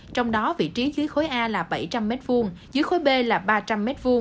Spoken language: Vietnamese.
trong đó vị trí dưới khối a là bảy trăm linh m hai dưới khối b là ba trăm linh m hai